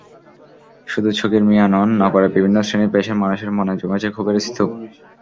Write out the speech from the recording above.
শুধু ছগির মিঞা নন, নগরের বিভিন্ন শ্রেণি–পেশার মানুষের মনে জমেছে ক্ষোভের স্তূপ।